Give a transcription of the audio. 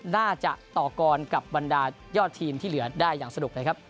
น่าจะต่อกรกับบรรดายอดทีมที่เหลือได้อย่างสนุกเลยครับ